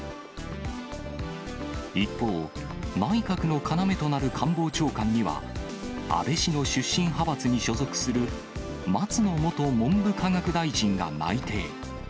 一方、内閣の要となる官房長官には、安倍氏の出身派閥に所属する松野元文部科学大臣が内定。